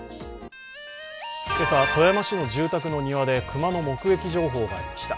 今朝、富山市の住宅の庭で熊の目撃情報がありました。